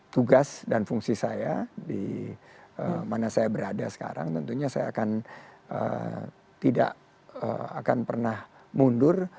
tugas dan fungsi saya di mana saya berada sekarang tentunya saya akan tidak akan pernah mundur